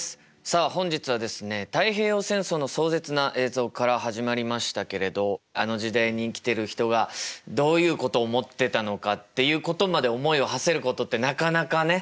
さあ本日はですね太平洋戦争の壮絶な映像から始まりましたけれどあの時代に生きてる人がどういうことを思ってたのかっていうことまで思いをはせることってなかなかね。